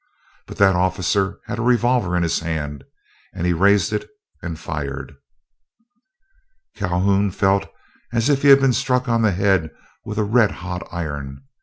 But that officer had a revolver in his hand, and he raised it and fired. Calhoun felt as if he had been struck on the head with a red hot iron.